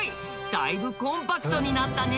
だいぶコンパクトになったね。